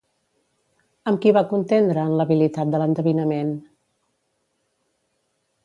Amb qui va contendre en l'habilitat de l'endevinament?